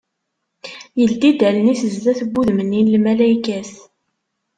Yeldi-d allen-is sdat n wudem-nni n lmalaykat.